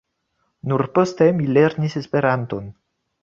Nur poste mi lernis esperanton.